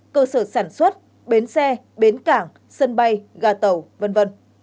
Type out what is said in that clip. cơ sở sản xuất bến xe bến cảng sân bay ga tàu v v